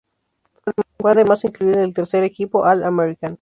Fue además incluido en en el tercer equipo All-American.